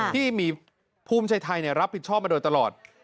ที่มีภูมิใจไทยรับผิดชอบมาโดยตลอด